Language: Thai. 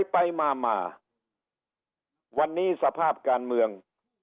ไปมามาวันนี้สภาพการเมือง